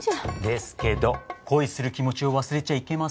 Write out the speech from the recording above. ですけど恋する気持ちを忘れちゃいけませんよ。